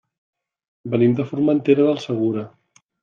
Venim de Formentera del Segura.